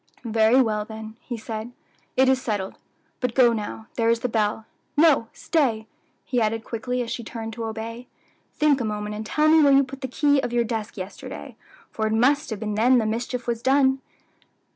"Very well, then," he said, "it is settled. But go now; there is the bell. No, stay!" he added quickly, as she turned to obey; "think a moment and tell me where you put the key of your desk yesterday, for it must have been then the mischief was done.